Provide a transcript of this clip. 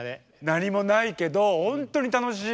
何もないけど本当に楽しい。